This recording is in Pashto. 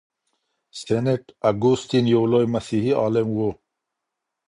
سینټ اګوستین یو لوی مسیحي عالم و.